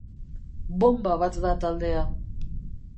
Bonba bat da taldea.